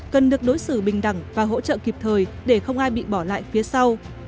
cần được đối xử bình đẳng và hỗ trợ kịp thời để không ai bị bỏ lại phía sau